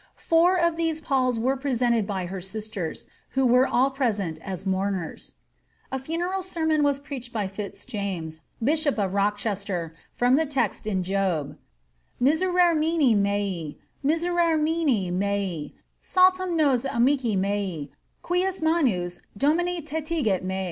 Four of these palls were pre sented by her sisters, who were all present as mourners. A funeral ser mon was preached by Fitzjames, bishop of Rochester, from the text in Job :^ Mistremini meiy nuseremini mei^ saltern vos amici met, quia mama Domini letigit me."